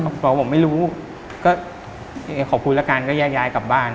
บอกว่าผมไม่รู้ก็ขอบคุณแล้วกันก็แยกย้ายกลับบ้าน